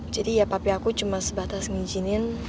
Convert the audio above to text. jadi ya papi aku cuma sebatas ngijinin